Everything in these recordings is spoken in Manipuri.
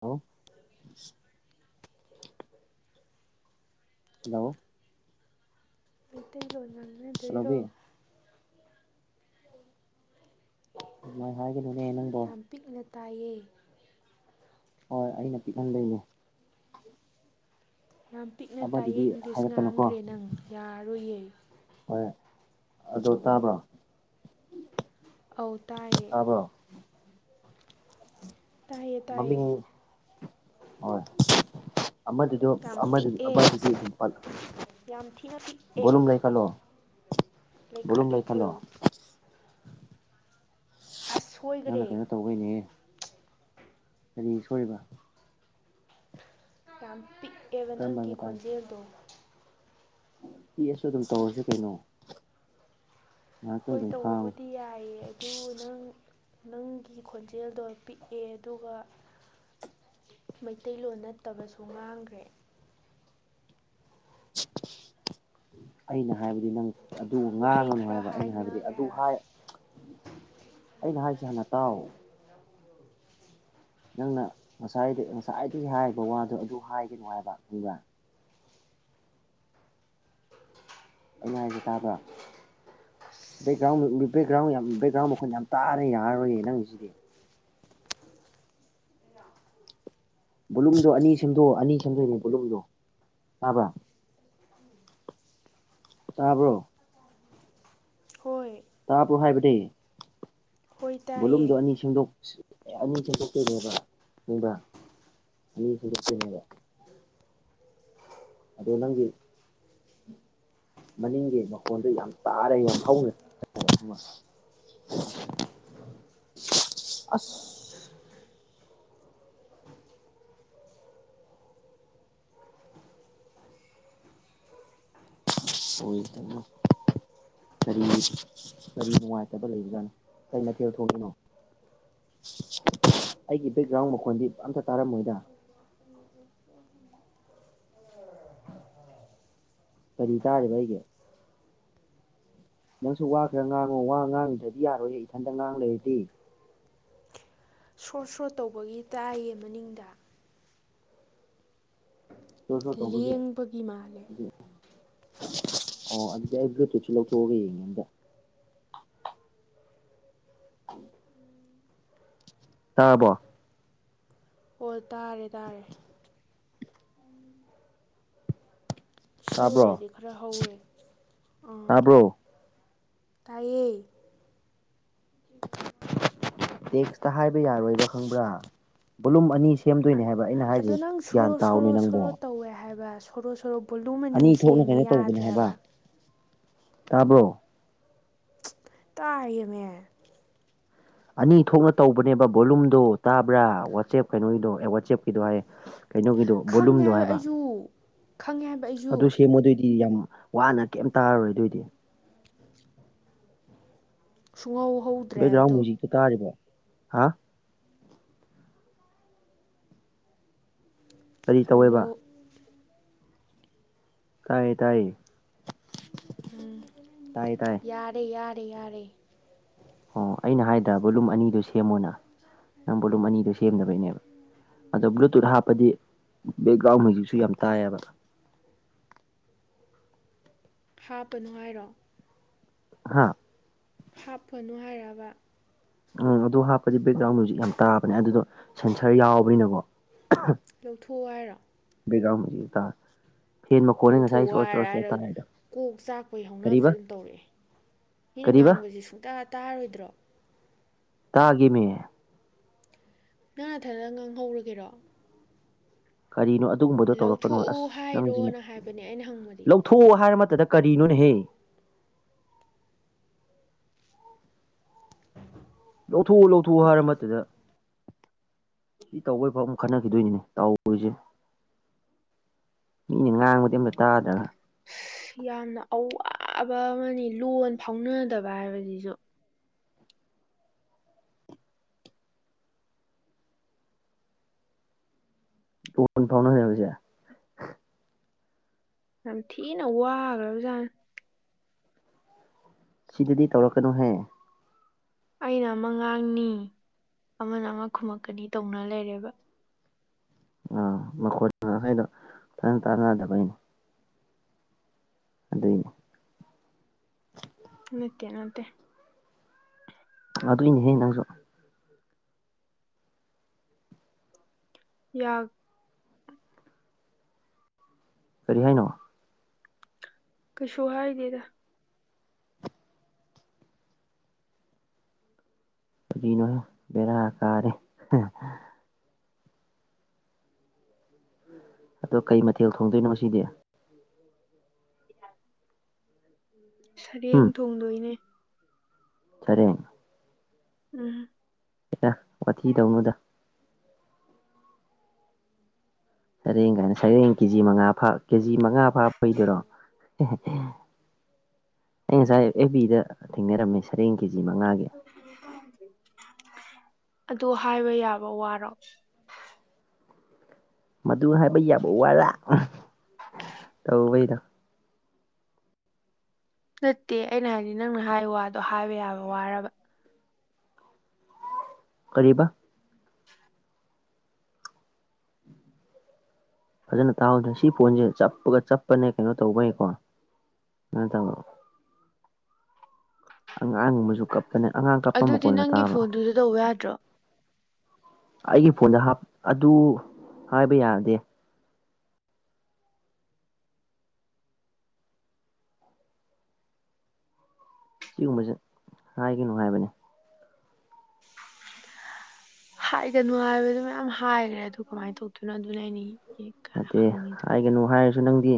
ꯍꯂꯣ ꯍꯂꯣ ꯃꯩꯇꯩ ꯂꯣꯟ ꯉꯅꯗꯣꯏꯔꯣ ꯍꯜꯂꯣꯕꯤ ꯑꯗꯨꯃꯥꯏ ꯍꯥꯏꯒꯅꯨꯅꯦ ꯅꯪꯕꯣ ꯌꯥꯝ ꯄꯤꯛꯅ ꯇꯥꯏꯌꯦ ꯍꯣꯏ ꯑꯩ ꯅꯨꯄꯤ ꯈ ꯂꯩꯒ ꯌꯥꯝ ꯄꯤꯛꯅ ꯇꯥꯏꯌꯦ ꯏꯪꯂꯤꯁ ꯍꯥꯏꯔꯛꯀꯅꯨꯀꯣ ꯉꯥꯡꯈ꯭ꯔꯦ ꯅꯪ ꯌꯥꯔꯣꯏꯌꯦ ꯍꯣꯏ ꯑꯗꯨ ꯇꯥꯕ꯭ꯔꯣ ꯑꯧꯇꯥꯦ ꯇꯥꯕ꯭ꯔꯣ ꯇꯥꯏꯌꯦ ꯇꯥꯏꯌꯦ ꯃꯃꯤꯡ ꯍꯣꯏ ꯑꯃꯗꯨꯗꯣ ꯌꯥꯝ ꯑꯃ ꯄꯤꯛꯑꯦ ꯑꯃꯗꯨꯗꯤ ꯑꯗꯨꯝꯂ ꯌꯥꯝ ꯊꯤꯅ ꯄꯤꯛꯑꯦ ꯕꯣꯂꯨꯝ ꯂꯩ ꯈꯜꯂꯣ ꯝ ꯂꯩꯈꯠꯂꯦ ꯂꯩ ꯐꯂꯣ ꯐꯨꯜ ꯑꯁ ꯅꯪꯅ ꯁꯣꯏꯈ꯭ꯔꯦ ꯀꯩꯅꯣ ꯇꯧꯕꯩꯅꯦ ꯀꯔꯤ ꯁꯔꯤꯕ ꯌꯥꯝ ꯄꯤꯛꯑꯦꯕ ꯀꯔꯝꯕ ꯅꯪꯒꯤ ꯈꯣꯟꯖꯦꯜꯗꯣ ꯄꯤꯑꯁꯨ ꯑꯗꯨꯝ ꯇꯧꯔꯁꯨ ꯀꯩꯅꯣ ꯉꯥꯏꯍꯥꯛꯇꯪ ꯍꯣꯏ ꯑꯗꯨꯝ ꯈꯥꯡꯉꯨ ꯇꯧꯕꯕꯨꯗꯤ ꯌꯥꯏꯌꯦ ꯑꯗꯨ ꯅꯪ ꯅꯪꯒꯤ ꯈꯣꯟꯖꯦꯜꯗꯣ ꯄꯤꯛꯑꯦ ꯑꯗꯨꯒ ꯃꯩꯇꯩꯂꯣꯟ ꯅꯠꯇꯕꯁꯨ ꯉꯥꯡꯈ꯭ꯔꯦ ꯑꯅ ꯍꯥꯏꯕꯗꯤ ꯅꯪ ꯑꯗꯨ ꯋꯥꯍꯩ ꯉꯥꯡꯉꯅꯨ ꯈꯔ ꯍꯥꯏꯕ ꯑꯩꯅ ꯍꯥꯏꯕꯗꯤ ꯍꯥꯏꯅꯈ꯭ꯔꯦ ꯑꯗꯨ ꯍꯥꯏꯕ ꯑꯩꯅ ꯍꯥꯏꯁꯦ ꯍꯥꯟꯅ ꯇꯥꯎ ꯅꯪꯅ ꯉꯁꯥꯏꯗ ꯉꯁꯥꯏꯗꯒꯤ ꯍꯥꯏꯔꯤꯕ ꯋꯥꯗꯨꯣ ꯑꯗꯨ ꯍꯥꯏꯒꯅꯨ ꯍꯥꯏꯕ ꯈꯪꯕ꯭ꯔ ꯑꯩꯅ ꯍꯥꯏꯁ ꯇꯥꯕ꯭ꯔꯥ ꯕꯦꯛꯒ꯭ꯔꯥꯎꯟ ꯕꯦꯛꯒ꯭ꯔꯥꯎꯟ ꯌꯥꯝ ꯕꯦꯛꯒ꯭ꯔꯥꯎꯟ ꯃꯈꯣꯏꯅ ꯌꯥꯝ ꯇꯥꯅ ꯌꯥꯔꯣꯏꯌꯦ ꯅꯪꯁꯤꯗꯤ ꯕꯣꯂꯨꯝꯗꯣ ꯑꯅꯤ ꯁꯦꯝꯗꯣꯛꯑꯣ ꯑꯅꯤ ꯁꯦꯝꯗꯣꯏꯅꯦ ꯕꯣꯂꯨꯝꯗꯣ ꯇꯥꯕ꯭ꯔꯥ ꯇꯥꯕ꯭ꯔꯣ ꯍꯣꯏ ꯄ꯭ꯔꯣ ꯍꯥꯏꯕꯗꯤ ꯍꯣꯏ ꯇꯥꯏꯌꯦ ꯕꯣꯂꯨꯝꯗꯣ ꯑꯅꯤ ꯁꯦꯡꯗꯣꯛ ꯑꯦ ꯑꯅꯤ ꯊꯗꯣꯛꯀꯣꯏꯅꯦꯕ ꯅꯨꯡꯕ꯭ꯔ ꯑꯅꯤ ꯁꯗꯣꯛꯀꯣꯏꯅꯦꯕ ꯑꯗꯣ ꯅꯪꯒꯤ ꯃꯅꯤꯡꯒꯤ ꯃꯈꯣꯟꯗ ꯌꯥꯝ ꯇꯥꯔꯦ ꯌꯥꯝ ꯍꯧꯔꯦ ꯑꯁ ꯁꯣꯏꯗꯦꯅꯦ ꯀꯔꯤ ꯀꯔꯤ ꯅꯨꯡꯉꯥꯏꯇꯕ ꯂꯩꯕꯖꯥꯅꯣ ꯀꯩ ꯃꯊꯦꯜ ꯊꯣꯛꯣꯡꯂꯤꯅꯣ ꯑꯩꯒꯤ ꯕꯦꯛꯒ꯭ꯔꯥꯎꯟ ꯃꯈꯣꯟꯗꯤ ꯑꯝꯇ ꯇꯥꯔꯝꯃꯣꯏꯗ [inaudible] ꯀꯔꯤ ꯇꯥꯔꯤꯕ ꯑꯩꯒꯤ ꯅꯪꯁꯨ ꯋꯥ ꯈꯔ ꯉꯥꯡꯉꯨ ꯋꯥ ꯉꯥꯡꯉꯗ꯭ꯔꯗꯤ ꯌꯥꯔꯣꯏꯍ ꯏꯊꯟꯇ ꯉꯥꯡ ꯂꯩꯔꯗꯤ ꯁ꯭ꯔꯣꯠ ꯁ꯭ꯔꯣꯠ ꯇꯧꯕꯒꯤ ꯇꯥꯏꯌꯦ ꯃꯅꯤꯡꯗ ꯁꯣꯔ ꯁꯣꯔ ꯇꯧꯕꯒꯤ ꯂꯦꯡꯕꯒꯤ ꯃꯥꯜꯂꯦ ꯑꯗꯨꯗꯤ ꯑꯣ ꯑꯗꯨꯗ ꯇꯆꯂ ꯇꯒ ꯌꯦꯉꯦꯇ ꯇꯥꯕꯣ ꯑꯣ ꯇꯥꯔꯦ ꯇꯥꯔꯦ ꯁꯤ ꯇꯥꯕ꯭ꯔꯣ ꯑꯣꯏꯔꯗꯤ ꯈꯔ ꯍꯧꯋꯦ ꯑꯥ ꯇꯥꯕ꯭ꯔꯣ ꯇꯥꯏꯌꯦ ꯇꯦꯛꯁꯇ ꯍꯥꯏꯕ ꯌꯥꯔꯣꯏꯔ ꯈꯪꯕ꯭ꯔꯥ ꯕꯣꯂꯨꯝ ꯑꯅꯤ ꯁꯦꯝꯗꯣꯏꯅꯦ ꯍꯥꯏꯕ ꯑꯩꯅ ꯍꯥꯏꯁ ꯑꯗꯣ ꯅꯪ ꯒ꯭ꯌꯥꯟ ꯁꯣꯔꯣ ꯇꯥꯅꯦ ꯁꯣꯔꯣ ꯅꯪꯕꯣ ꯁꯣꯔꯣ ꯇꯧꯋꯦ ꯍꯥꯏꯕ ꯁꯣꯔꯣ ꯁꯣꯔꯣ ꯕꯣꯂꯨꯃꯅꯤ ꯁꯦꯝꯃꯦ ꯌꯥꯗ꯭ꯔꯦ ꯍꯥꯏꯕ ꯇꯥꯕꯣ ꯇꯥꯥꯏꯌꯦꯅꯦ ꯑꯅꯤ ꯊꯣꯛꯅ ꯇꯧꯕꯅꯦꯕ ꯕꯣꯂꯨꯝꯗꯣ ꯇꯥꯕ꯭ꯔꯥ ꯋꯥꯆꯦꯞ ꯀꯩꯅꯣꯒꯤꯗꯣ ꯑꯦ ꯋꯥꯆꯦꯞꯀꯤꯗꯣ ꯍꯥꯏ ꯀꯩꯅꯣꯒꯤꯗꯣ ꯈꯪꯉꯦ ꯕꯣꯂꯨꯝꯗꯣ ꯍꯥꯏꯕ ꯑꯩꯁꯨ ꯈꯪꯉꯦ ꯍꯥꯏꯕ ꯑꯗꯨ ꯑꯩꯁꯨ ꯁꯦꯝ ꯃ ꯑꯗꯨ ꯌꯥꯝ ꯋꯥꯅ ꯀꯩꯝ ꯇꯥꯔꯔꯣꯏ ꯑꯗꯨꯏꯗꯤ ꯁꯨꯡꯍꯧ ꯍꯧꯗ꯭ꯔꯦ ꯕꯦꯛꯒ꯭ꯔꯥꯎꯟ ꯑꯗꯣ ꯃꯌꯨꯖꯤꯛꯇꯣ ꯇꯥꯔꯤꯕ ꯍꯥ ꯀꯔꯤ ꯇꯧꯋꯦꯕ ꯍꯜꯂꯣ ꯇꯥꯏꯌꯦ ꯇꯥꯏꯌꯦ ꯎꯝ ꯇꯥꯏꯌꯦ ꯇꯥꯏꯌꯦ ꯌꯥꯔꯦ ꯌꯥꯔꯦ ꯌꯥꯔꯦ ꯑꯣ ꯑꯩꯅ ꯍꯥꯏꯗ꯭ꯔꯥ ꯕꯣꯠꯂꯨꯝ ꯑꯅꯤꯗꯨꯣ ꯁꯦꯝꯃꯣꯅ ꯅꯪ ꯕꯣꯂꯨꯝ ꯑꯅꯤꯗꯣ ꯁꯦꯝꯗꯕꯩꯅꯦꯕ ꯑꯗꯣ ꯕ꯭ꯂꯨꯇꯨꯠ ꯍꯥꯞꯄꯗꯤ ꯕꯦꯛꯒ꯭ꯔꯥꯎꯟ ꯃꯌꯨꯖꯤꯛꯁꯨ ꯌꯥꯝ ꯇꯥꯏꯌꯦꯕ [unintelligible] ꯍꯥꯞꯄ ꯅꯨꯡꯉꯥꯏꯔꯣ ꯍꯥꯥ ꯍꯥꯞꯄꯅꯨ ꯍꯥꯏꯔꯕ ꯎꯝ ꯑꯗꯨ ꯍꯥꯞꯄꯗꯤ ꯕꯦꯛꯒ꯭ꯔꯥꯎꯟ ꯃꯖꯤꯛ ꯌꯥꯝ ꯇꯥꯕꯅꯦ ꯑꯗꯨꯗꯣ ꯁꯦꯟꯁꯔ ꯌꯥꯎꯕꯅꯤꯅꯀꯣ ꯂꯧꯊꯣꯛꯎ ꯍꯥꯏꯔꯣ ꯌꯦꯗ ꯂꯧꯊꯣꯛ ꯍꯥꯏꯔ ꯍꯥꯏꯔ ꯀꯣꯛ ꯆꯥꯛꯄꯒꯤ ꯍꯧꯅꯕꯁꯦ ꯀꯔꯤꯕ ꯑꯗꯨꯝ ꯇꯧꯔꯛꯑꯦ ꯃꯤꯅ ꯀꯔꯤꯕ ꯉꯥꯡꯕꯕꯁꯤꯦ ꯁꯨꯡꯇꯥ ꯇꯥꯔꯣꯏꯗ꯭ꯔꯣ ꯇꯥꯒꯦꯃꯦ ꯅꯪ ꯅꯊꯅ ꯉꯥꯡ ꯍꯧꯔꯨꯒꯦꯔꯣ ꯀꯔꯤꯅꯣ ꯑꯗꯨꯒꯨꯝꯕꯗꯣ ꯇꯧꯔꯛꯀꯅꯣ ꯂꯧꯊꯣꯛꯑꯣ ꯑꯁ ꯅꯪꯁꯤꯅ ꯍꯥꯏꯔꯣꯅ ꯍꯥꯏꯕꯅꯦ ꯑꯩꯅ ꯍꯪꯕꯗꯤ ꯂꯧꯊꯣꯛꯑꯣ ꯍꯥꯏꯔ ꯇꯗ ꯀꯔꯤꯅꯣꯅꯦ ꯍꯦ ꯂꯧꯊꯣꯛꯎ ꯂꯧꯊꯣꯛꯎ ꯍꯥꯏꯔ ꯃꯇꯝꯗ ꯁꯤ ꯇꯧꯕꯩꯐꯥꯎ ꯑꯃꯨꯛ ꯈꯟꯅꯈꯤꯗꯣꯏꯅꯤꯅꯦ ꯇꯧꯔꯤꯁꯦ ꯃꯤꯅ ꯉꯥꯡꯕꯗꯤ ꯑꯝꯇ ꯇꯥꯗ꯭ꯔꯒ ꯑꯁ ꯌꯥꯝꯅ ꯑꯋꯥꯕ ꯑꯃꯅꯤ ꯂꯣꯟ ꯐꯥꯎꯅꯗꯕ ꯍꯥꯏꯕꯁꯤꯁꯨ ꯐꯣꯟ ꯐꯥꯎꯅ ꯍꯕꯁꯦ ꯑ ꯊꯤꯅ ꯎꯒ꯭ꯔꯖ ꯁꯤꯗꯗꯤ ꯇꯧꯔꯛꯀꯅꯨꯍꯦ ꯑꯩꯅ ꯑꯃꯉꯥꯡꯅꯤ ꯑꯃꯅ ꯑꯃ ꯈꯨꯨꯝꯃꯛꯀꯅꯤ ꯇꯧꯅ ꯂꯩꯔꯦꯕ ꯑꯥ ꯃꯈꯣꯏ ꯃꯈꯩꯗꯣ ꯐꯖꯅ ꯇꯥꯟꯅꯗꯕꯩꯅꯦ ꯑꯗꯨꯗ ꯇ ꯑꯗꯨꯏꯅꯦꯍꯦ ꯅꯪꯁꯨ ꯌꯥ ꯀꯔꯤ ꯍꯥꯏꯅꯣ ꯀꯩꯁꯨ ꯍꯥꯏꯗꯦꯗ ꯅꯣ ꯃꯔ ꯑꯀꯥꯦ ꯑꯗꯣ ꯀꯩ ꯃꯊꯦꯜ ꯊꯣꯡꯗꯣꯏꯅꯣ ꯁꯤꯗꯤ ꯁꯔꯦꯡ ꯊꯣꯡꯗꯣꯏꯅꯦ ꯁꯔ ꯎꯝ ꯋꯥꯊꯤ ꯇꯧꯅꯨꯗ ꯁꯔꯦꯡ ꯀꯥꯏꯅ ꯁꯔꯦꯡ ꯀꯦꯖꯤ ꯃꯉꯥꯥ ꯀꯦꯖꯤ ꯃꯉꯥ ꯐꯥ ꯐꯩꯗꯔꯣ ꯑꯩ ꯉꯁꯥꯏ ꯑꯦꯕꯤꯗ ꯊꯦꯡꯅꯔꯝꯃꯦ ꯁꯔꯦꯡ ꯀꯦ ꯖꯤ ꯃꯉꯥꯒꯤ ꯑꯗꯨ ꯍꯥꯏꯕ ꯌꯥꯕ ꯋꯥꯔꯣ ꯃꯗꯨ ꯍꯥꯏꯕ ꯌꯥꯕ ꯋꯥꯔꯥ ꯇꯧꯕꯩꯩꯅꯣ ꯅꯠꯇꯦ ꯑꯩꯅ ꯍꯥꯏꯗꯤ ꯅꯪꯅ ꯍꯥꯏ ꯋꯥꯗꯣ ꯍꯥꯏꯕ ꯌꯥꯕ ꯋꯥꯔꯕ ꯀꯔꯤꯕꯥ ꯐꯖꯅ ꯇꯥꯍꯧꯗꯅ ꯁꯤ ꯐꯣꯟꯁꯦ ꯆꯞꯄꯒ ꯆꯠꯄꯅꯦ ꯀꯩꯅꯣ ꯇꯧꯕꯩꯀꯣ ꯅꯇꯣ ꯑꯉꯥꯡꯕꯁꯨ ꯀꯞꯄꯅꯦ ꯑꯉꯥꯡ ꯀꯞꯄ ꯑꯗꯨꯗꯤ ꯃꯈꯣꯟꯅ ꯅꯪꯒꯤ ꯇꯥꯕ꯭ꯔꯣ ꯐꯣꯟꯗꯨꯁꯨ ꯇꯧꯕ ꯌꯥꯗ꯭ꯔꯣ ꯑꯩꯒꯤ ꯐꯣꯟꯗ ꯑꯗꯨ ꯍꯥꯏꯕ ꯌꯥꯗꯦ ꯁꯤꯒꯨꯝꯕꯁꯦ ꯍꯥꯏꯒꯅꯨ ꯍꯥꯏꯕꯅꯦ ꯍꯥꯏꯒꯅꯨ ꯍꯥꯏꯕꯗ ꯃꯌꯥꯝ ꯍꯥꯏꯈ꯭ꯔꯦ ꯑꯗꯨ ꯀꯃꯥꯏꯅ ꯇꯧꯗꯣꯏꯅꯣ ꯑꯗꯨꯅ ꯑꯩꯅꯤ ꯅꯠꯇꯦ ꯍꯥꯏꯒꯅꯨ ꯍꯥꯏꯔꯁꯨ ꯅꯪꯗꯤ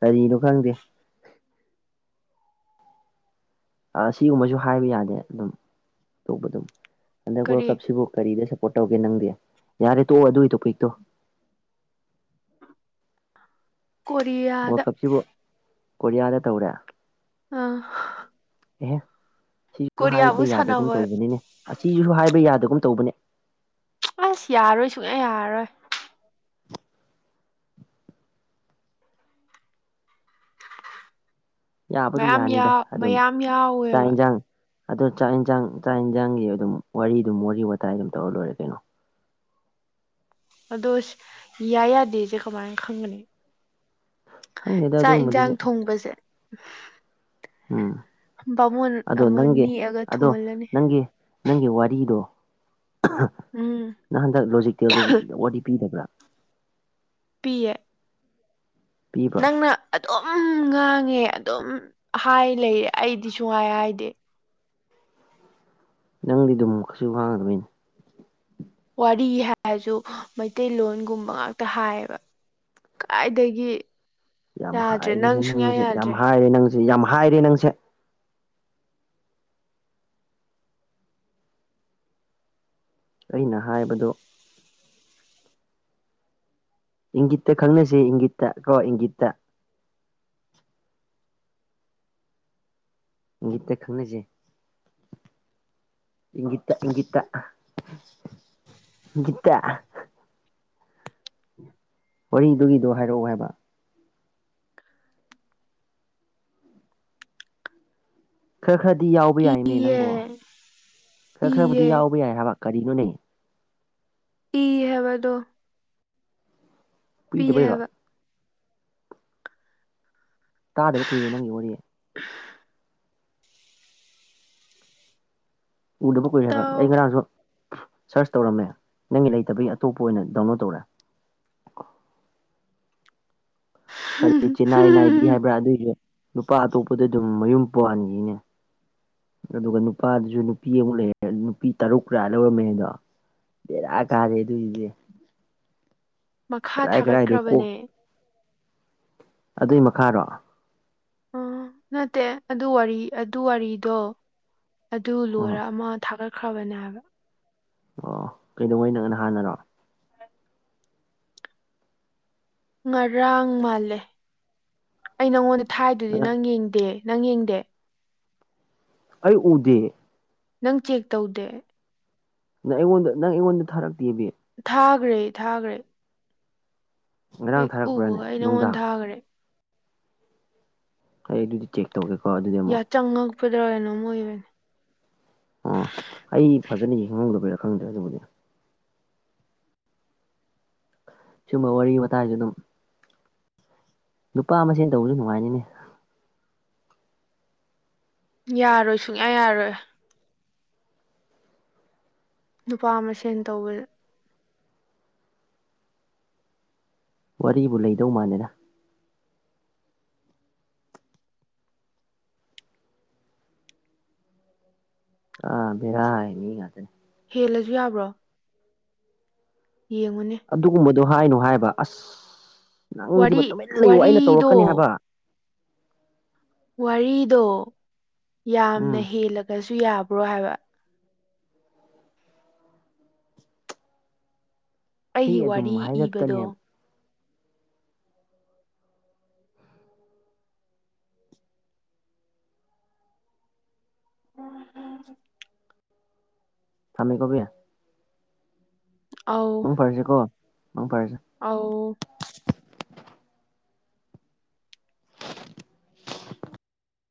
ꯀꯔꯤꯅꯣ ꯈꯪꯗꯦ ꯑꯁꯤꯒꯨꯝꯕꯁꯨ ꯍꯥꯏꯕ ꯌꯥꯗꯦ ꯑꯗꯨꯝ ꯑꯇꯣꯞꯄ ꯑꯗꯨꯝ ꯑꯟꯗ ꯋꯥꯔꯜ ꯀꯔꯤ ꯀꯞꯁꯤꯕꯨ ꯀꯔꯤꯗ ꯣ ꯇꯧꯒꯦ ꯅꯪꯗꯤ ꯌꯥꯔꯦ ꯇꯣꯛꯑꯣ ꯑꯗꯨꯒꯤ ꯇꯣꯄꯤꯛꯇꯣ ꯀꯔꯤꯌꯥꯗ ꯋꯥꯔꯜ ꯀꯞꯁꯤꯕꯨ ꯀꯣꯔꯤꯌꯥꯗ ꯇꯧꯔꯦ ꯑꯥ ꯑꯦꯍꯦ ꯁꯤꯁꯨ ꯍꯥꯏꯕ ꯀꯣꯔꯤꯌꯥꯕꯨ ꯌꯥꯗꯒꯨꯝ ꯁꯥꯟꯅꯕ ꯇꯧꯕꯅꯤꯅꯦ ꯑꯁꯤꯁꯤꯁꯨ ꯍꯥꯏꯕ ꯌꯥꯗꯒꯨꯝ ꯇꯧꯕꯅꯦ ꯑꯁ ꯌꯥꯔꯣꯏ ꯁꯨꯡꯛꯌꯥ ꯌꯥꯔꯣꯏ ꯌꯥꯕꯨꯗꯤ ꯃꯌꯥꯝ ꯌꯥꯅꯤꯗ ꯌꯥꯎ ꯑꯗꯨꯝ ꯃꯌꯥꯝ ꯆꯥꯛ ꯌꯥꯎꯋꯦꯕ ꯌꯦꯟꯁꯥꯡ ꯑꯗ ꯆꯥꯛ ꯌꯦꯟꯁꯥꯡ ꯆꯥꯛ ꯌꯦꯟꯁꯥꯡꯒꯤ ꯑꯗꯨꯝ ꯋꯥꯔꯤꯗꯨꯝ ꯋꯥꯔꯤ ꯋꯥꯇꯥꯏ ꯑꯗꯨꯝ ꯇꯧꯔ ꯂꯣꯏꯔꯦ ꯀꯩꯅꯣ ꯑꯗꯣ ꯌꯥ ꯌꯥꯗꯦꯁꯦ ꯀꯃꯥꯏꯅ ꯈꯪꯒꯅꯤ ꯈꯪꯗꯦꯗ ꯆꯥꯛ ꯌꯦꯟꯁꯥꯡ ꯑꯗꯨꯝꯕꯗꯨꯗꯤ ꯊꯣꯡꯕꯁꯦ ꯎꯝ ꯃꯨꯡ ꯑꯗꯣ ꯅꯪꯒꯤ ꯑꯃꯅꯤ ꯑꯒ ꯑꯗꯣ ꯊꯣꯡꯉꯂꯅꯤ ꯅꯪꯒꯤ ꯅꯪꯒꯤ ꯋꯥꯔꯤꯗꯣ ꯎꯝ ꯅꯍꯟꯗꯛ ꯂꯣꯖꯤꯛꯇꯦꯜꯗ ꯋꯥꯔꯤ ꯄꯤꯗꯕ꯭ꯔꯥ ꯄꯦ ꯄꯤꯕ꯭ꯔꯣ ꯅꯪꯅ ꯑꯗꯨꯝ ꯈꯪꯉꯦ ꯑꯗꯨꯝ ꯍꯥꯏ ꯂꯩꯌꯦꯦ ꯑꯩꯗꯤ ꯁꯨꯡꯉꯥꯏ ꯍꯥꯏꯗꯤꯦ ꯅꯪꯗꯤ ꯑꯗꯨꯝ ꯀꯩꯁꯨ ꯋꯥꯥꯡꯒꯗꯕꯅꯤꯅꯦ ꯋꯥꯔꯤ ꯍꯥꯏꯔꯁꯨ ꯃꯩꯇꯩꯂꯣꯟꯒꯨꯝꯕ ꯉꯥꯛꯇ ꯍꯥꯏꯌꯦꯕ ꯀꯥꯏꯗꯒꯤ ꯌꯥꯝ ꯌꯥꯗ꯭ꯔꯦ ꯍꯥꯏꯔꯦ ꯅꯪ ꯁꯨꯡꯌꯥ ꯅꯪꯁꯦ ꯌꯥꯝ ꯌꯥꯗ꯭ꯔꯦ ꯍꯥꯏꯔꯦ ꯅꯪꯁꯦ ꯌꯥꯝ ꯍꯥꯏꯔꯦ ꯅꯪꯁꯦ ꯑꯩꯅ ꯍꯥꯏꯕꯗꯨ ꯏꯪꯒꯤꯠꯇ ꯈꯪꯅꯥꯁꯤ ꯏꯪꯒꯤꯠꯇ ꯀꯣ ꯏꯪꯒꯤꯠꯇ ꯏꯪꯒꯤꯠꯇ ꯈꯪꯅꯁꯦ ꯏꯪꯒꯤꯠ ꯇꯥ ꯏꯪꯒꯤꯠ ꯇꯥ ꯏꯪꯒꯤꯠꯇ ꯋꯥꯔꯤꯗꯨꯒꯤꯗꯣ ꯍꯥꯏꯔꯛꯑꯣ ꯍꯥꯏꯕ ꯈꯔ ꯈꯔꯗꯤ ꯌꯥꯎꯕ ꯌꯥꯏꯅꯦ ꯏꯌꯦ ꯅꯪꯕꯣ ꯈꯔ ꯈꯔꯕꯨꯗꯤ ꯏꯌꯦ ꯌꯥꯎꯕ ꯌꯥꯏ ꯍꯥꯏꯕ ꯀꯔꯤꯅꯣꯅꯦ ꯏ ꯍꯥꯏꯕꯗꯣ ꯄꯤ ꯄꯤꯗꯕꯩꯔꯣ ꯍꯥꯏꯕ ꯇꯥꯗꯕ ꯀꯨꯏꯔꯦ ꯅꯪꯒꯤ ꯋꯥꯔꯤ ꯎꯗꯕ ꯀꯨꯔꯦ ꯍꯥꯏꯕ ꯇꯥꯎ ꯑꯩ ꯉꯔꯥꯡꯁꯨ ꯁꯔꯁ ꯇꯧꯔꯝꯃꯦ ꯅꯪꯒꯤ ꯂꯩꯇꯕꯒꯤ ꯑꯇꯣꯞꯄ ꯑꯣꯏꯅ ꯗꯥꯎꯟꯂꯣꯗ ꯇꯧꯔꯦ ꯀꯔꯤ ꯆꯤꯅꯥꯏ ꯅꯥꯏꯕꯤ ꯍꯥꯏꯕ꯭ꯔꯥ ꯑꯗꯨꯏꯁꯨ ꯅꯨꯄꯥ ꯑꯇꯣꯞꯄꯗ ꯑꯗꯨꯝ ꯃꯌꯨꯝ ꯄꯟꯈꯤꯅꯦ ꯑꯗꯨꯒ ꯅꯨꯄꯥꯗꯨꯁꯨ ꯅꯨꯄꯤ ꯑꯃꯨꯛ ꯂꯩꯔꯦ ꯅꯨꯄꯤ ꯇꯔꯨꯛ ꯂꯥ ꯂꯧꯔꯝꯃꯦ ꯑꯗꯣ ꯕꯦꯔꯥ ꯀꯥꯔꯦ ꯑꯗꯨꯏꯗꯨꯗꯤ ꯃꯈꯥ ꯊꯥꯒꯠꯈ꯭ꯔꯕꯅꯦ ꯑꯗꯨꯏ ꯃꯈꯥꯔꯣ ꯑ ꯅꯠꯇꯦ ꯑꯗꯨ ꯋꯥꯔꯤ ꯑꯗꯨ ꯋꯥꯔꯤꯗꯣ ꯑꯗꯨ ꯑꯥ ꯂꯣꯏꯔ ꯑꯃ ꯊꯥꯒꯠꯈ꯭ꯔꯕꯅꯦ ꯍꯥꯏꯕ ꯑꯣ ꯀꯩꯗꯧꯉꯩ ꯅꯪꯅ ꯍꯥꯟꯅꯔꯣ ꯉꯔꯥꯡ ꯃꯥꯜꯂꯦ ꯑꯩ ꯅꯪꯉꯣꯟꯗ ꯊꯥꯏꯗꯨꯗꯤ ꯅꯪ ꯌꯦꯡꯗꯦ ꯅꯪ ꯌꯦꯡꯗꯦ ꯑꯩ ꯎꯗꯦ ꯅꯪ ꯆꯦꯛ ꯇꯧꯗꯦ ꯅꯪ ꯑꯩꯉꯣꯟꯗ ꯅꯪ ꯑꯩꯉꯣꯟꯗ ꯊꯥꯔꯛꯇꯦꯕ ꯊꯈ꯭ꯔꯦ ꯊꯥꯈ꯭ꯔꯦ ꯉꯔꯥꯡ ꯍꯦꯛ ꯊꯥꯔꯛꯄ꯭ꯔꯥꯅꯦ ꯎꯕꯒ ꯑꯩ ꯅꯪꯉꯣꯟ ꯅꯨꯡꯗꯥꯡ ꯊꯥꯈ꯭ꯔꯦ ꯑꯩ ꯑꯗꯨꯗꯤ ꯆꯦꯛ ꯇꯧꯒꯦꯀꯣ ꯑꯗꯨꯗꯤ ꯑꯃꯨꯛ ꯐꯗ꯭ꯔꯒꯅꯣꯃꯨ ꯑꯣꯏꯕꯅꯦ ꯑꯣ ꯑꯩ ꯐꯖꯅ ꯍꯤꯡꯍꯧꯗꯕꯩꯔꯥ ꯈꯪꯗ꯭ꯔꯦ ꯑꯗꯨꯕꯨꯗꯤ ꯁꯨꯝꯕ ꯋꯥꯔꯤ ꯃꯇꯥꯏꯁꯨ ꯑꯗꯨꯝ ꯅꯨꯄꯥ ꯃꯥꯁꯦꯟ ꯇꯧꯕꯁꯨ ꯅꯨꯡꯉꯥꯏꯅꯤꯅꯦ ꯌꯥꯔꯣꯏ ꯁꯨꯡꯌꯥ ꯌꯥꯔꯣꯏ ꯅꯨꯄꯥ ꯑꯃ ꯁꯦꯟ ꯇꯧꯕ ꯋꯥꯔꯤꯕꯨ ꯂꯩꯗꯧ ꯃꯥꯟꯗꯦꯗ ꯑꯥ ꯕꯦꯔ ꯃꯤ ꯉꯥꯛꯇꯥꯅꯤ ꯍꯦꯜꯂꯁꯨ ꯌꯥꯕ꯭ꯔꯣ ꯌꯦꯡꯉꯨꯅꯦ ꯑꯗꯨ ꯍꯥꯏꯅꯨ ꯍꯥꯏꯕ ꯑꯁ ꯅꯪꯁꯤꯃ ꯋꯥꯔꯤ ꯇꯨꯃꯤꯠ ꯂꯩꯌꯨ ꯑꯩꯅ ꯋꯥꯔꯤꯗꯣ ꯇꯧꯔꯛꯀꯅꯤ ꯍꯥꯏꯕ ꯋꯥꯔꯤꯗꯣ ꯌꯥꯝꯅ ꯎꯝ ꯍꯦꯜꯂꯒꯁꯨ ꯌꯥꯕ꯭ꯔꯣ ꯍꯥꯏꯕ ꯑꯩ ꯑꯩꯒꯤ ꯑꯗꯨꯝ ꯋꯥꯔꯤ ꯍꯥꯏꯔꯛꯀꯅꯤ ꯏꯕꯗꯣ ꯍꯥꯏꯕ ꯊꯃꯤ ꯀꯣ ꯕꯤ ꯑꯧ ꯃꯪ ꯐꯔꯁꯤ ꯀꯣ ꯑꯧ